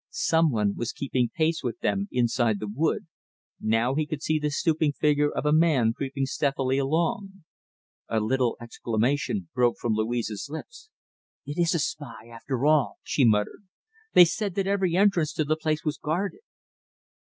Some one was keeping pace with them inside the wood, now he could see the stooping figure of a man creeping stealthily along. A little exclamation broke from Louise's lips. "It is a spy after all," she muttered. "They said that every entrance to the place was guarded."